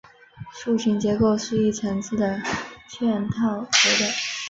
树形结构是一层次的嵌套结构。